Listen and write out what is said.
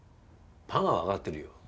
パンは分かってるよ。